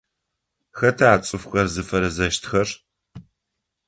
Хэта цӏыфхэр зыфэрэзэщтхэр?